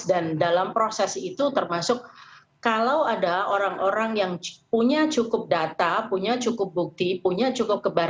dan dalam proses itu termasuk kalau ada orang orang yang punya cukup data punya cukup bukti punya cukup kebaranian